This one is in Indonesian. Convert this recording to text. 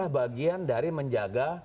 bagian dari menjaga